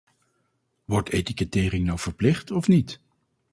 Wordt etikettering nou verplicht of niet?